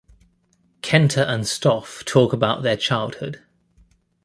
Kenta and Stoffe talk about their childhood.